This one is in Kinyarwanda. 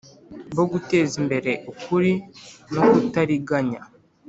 bo guteza imbere ukuri no kutariganya